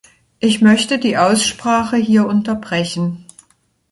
Ich möchte die Aussprache hier unterbrechen.